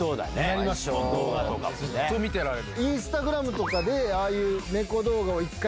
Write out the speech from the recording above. ずっと見てられる。